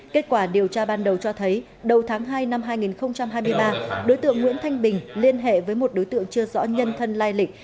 kết quả điều tra ban đầu cho thấy đầu tháng hai năm hai nghìn hai mươi ba đối tượng nguyễn thanh bình liên hệ với một đối tượng chưa rõ nhân thân lai lịch